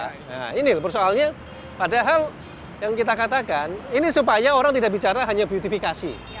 nah ini persoalnya padahal yang kita katakan ini supaya orang tidak bicara hanya beautifikasi